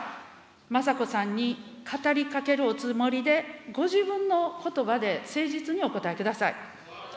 雅子さんに語りかけるおつもりでご自分のことばで、誠実にお答えください。